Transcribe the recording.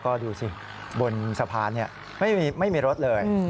ก็ดูสิบนสะพานไม่มีรถเลย